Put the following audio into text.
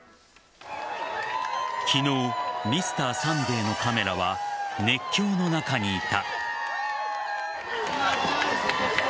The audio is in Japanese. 昨日「Ｍｒ．サンデー」のカメラは熱狂の中にいた。